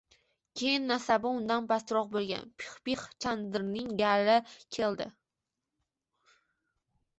Keyin nasabi undan pastroq bo‘lgan Pixpix Chandrning gali keldi